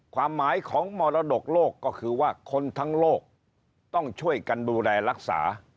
ความหมายของมรดกโลกก็คือว่าคนทั้งโลกต้องช่วยกันดูแลรักษา